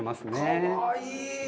かわいい！